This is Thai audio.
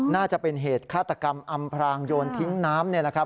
น่าจะเป็นเหตุฆาตกรรมอำพรางโยนทิ้งน้ำ